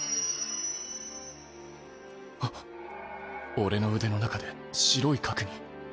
俺の腕の中で白い核に。